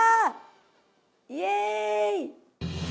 イエーイ！